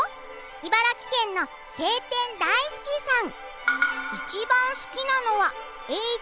茨城県の、青天大好きさん。